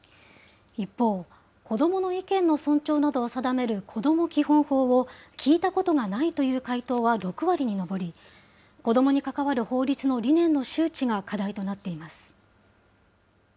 一方、子どもの意見の尊重などを定めるこども基本法を聞いたことがないという回答は６割に上り、子どもに関わる法律の理念の周知が課題となっています。